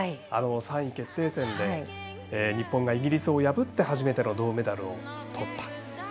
３位決定戦で日本がイギリスを破って初めての銅メダルをとった。